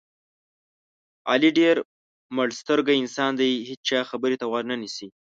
علي ډېر مړسترګی انسان دی دې هېچا خبرې ته غوږ نه نیسي.